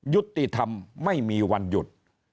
ยุติธรรมไม่มีวันหยุด